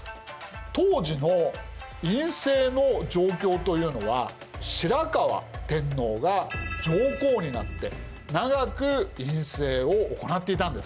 当時の院政の状況というのは白河天皇が上皇になって長く院政を行っていたんです。